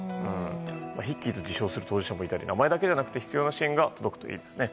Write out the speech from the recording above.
ヒッキーと自称する当事者もいたりして名前だけじゃなくて必要な支援が届くといいですね。